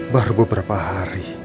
baru beberapa hari